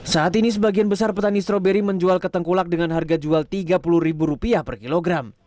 saat ini sebagian besar petani stroberi menjual ketengkulak dengan harga jual rp tiga puluh per kilogram